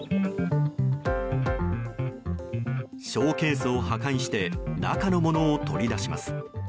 ショーケースを破壊して中のものを取り出します。